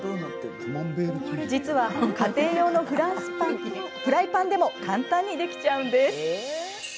実は、家庭用のフライパンでも簡単にできちゃうんです。